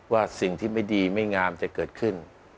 ว่าสิ่งที่ไม่ดีไม่งามจะเกิดขึ้น